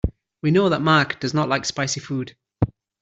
We know that Mark does not like spicy food.